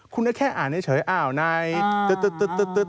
คุณก็แค่อ่านให้เฉยอ้าวนายตึ๊ด